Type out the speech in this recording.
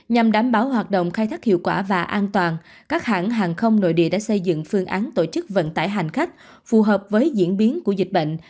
nhằm đảm bảo hoạt động khai thác hiệu quả và an toàn các hãng hàng không nội địa đã xây dựng phương án tổ chức vận tải hành khách phù hợp với diễn biến của dịch bệnh